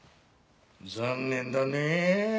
残念だねえ。